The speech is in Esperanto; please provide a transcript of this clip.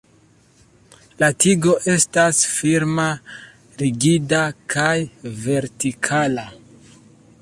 La tigo estas firma rigida kaj vertikala.